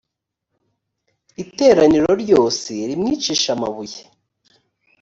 iteraniro ryose rimwicishe amabuye